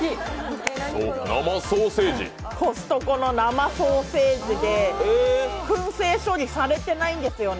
コストコの生ソーセージでくん製処理されてないんですよね。